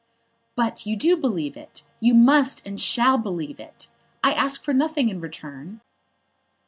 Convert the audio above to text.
"But you do believe it? You must and shall believe it. I ask for nothing in return.